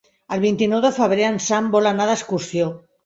El vint-i-nou de febrer en Sam vol anar d'excursió.